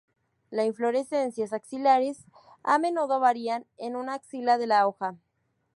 Las inflorescencias axilares, a menudo varias en una axila de la hoja.